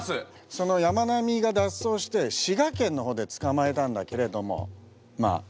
その山南が脱走して滋賀県の方で捕まえたんだけれどもまあ